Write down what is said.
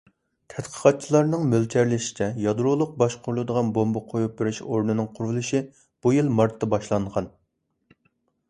تەتقىقاتچىلارنىڭ مۆلچەرلىشىچە، يادرولۇق باشقۇرۇلىدىغان بومبا قويۇپ بېرىش ئورنىنىڭ قۇرۇلۇشى بۇ يىل مارتتا باشلانغان.